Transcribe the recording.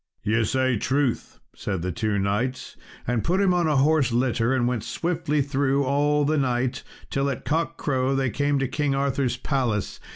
"Ye say truth," said the two knights, and put him in a horse litter, and went swiftly through all the night, till at cock crow they came to King Arthur's palace.